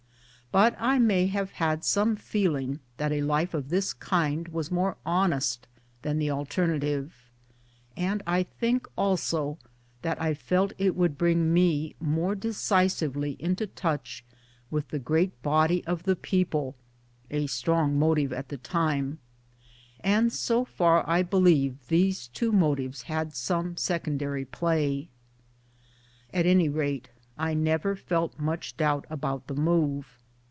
But I may have had some feeling that a life of this kind was more honest than the alternative, and I think also that I felt it would bring me more decisively into touch with the great body of the people (a strong motive at the time) and so far I believe these two motives had some secondary play. At any rate I never felt much doubt about the move.